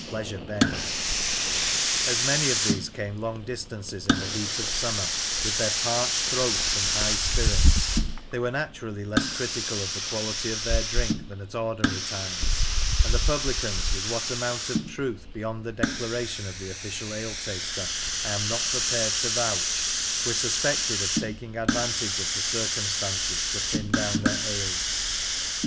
The Last of the Ale Tasters, 25 pleasure bent As many of these came long distances in the heat of summer, with their parched throats and high spirits, they were naturally less critical of the quality of their drink than at ordinary times, and the publicans, with what amount of truth beyond the declaration of the official ale taster I am not prepared to vouch, were suspected of taking advantage of the circumstances to thin down their ales.